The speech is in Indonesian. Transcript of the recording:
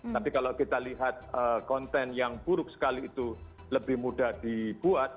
tapi kalau kita lihat konten yang buruk sekali itu lebih mudah dibuat